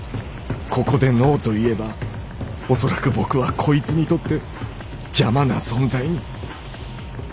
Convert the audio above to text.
ここでＮＯと言えば恐らく僕はこいつにとって邪魔な存在に。